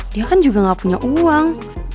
dia kan juga gak punya uang